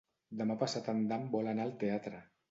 Demà passat en Dan vol anar al teatre.